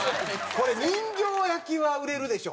これ人形焼きは売れるでしょ？